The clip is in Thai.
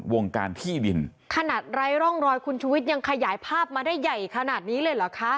วงการที่ดินขนาดไร้ร่องรอยคุณชุวิตยังขยายภาพมาได้ใหญ่ขนาดนี้เลยเหรอคะ